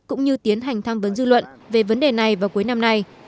cũng như tiến hành tham vấn dư luận về vấn đề này vào cuối năm nay